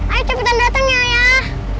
ayo cepetan datang ya ya